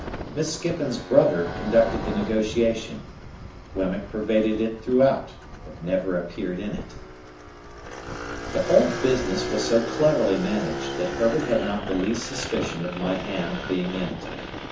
Miss Skiffins's brother conducted the negotiation. Wemmick pervaded it throughout, but never appeared in it. The whole business was so cleverly managed, that Herbert had not the least suspicion of my hand being in it.